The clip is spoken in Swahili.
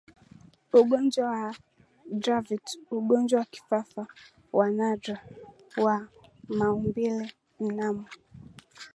ugonjwa wa Dravet ugonjwa wa kifafa wa nadra wa maumbileMnamo